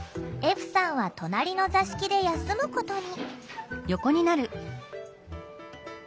歩さんは隣の座敷で休むことに。